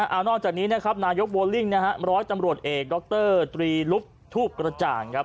เอานอกจากนี้นะครับนายกโวลิ่งนะฮะร้อยตำรวจเอกดรตรีลุกทูบกระจ่างครับ